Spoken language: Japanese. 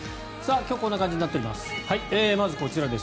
今日こんな感じになっています。